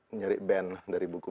mencari band dari buku